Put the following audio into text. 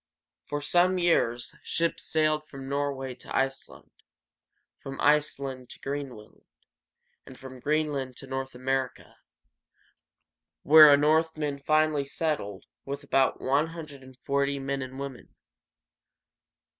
For some years ships sailed from Norway to Iceland, from Iceland to Greenland, and from Greenland to North America, where a Northman finally settled with about one hundred and forty men and women.